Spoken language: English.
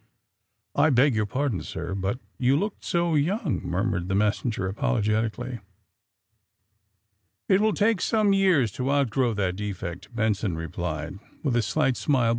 *^I beg your pardon, sir, but you looked so young," murmured the messenger apologetic ally. ^^It will take me some years to outgrow that defect," Benson replied, with a slight smile.